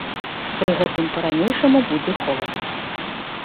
Пры гэтым па-ранейшаму будзе холадна.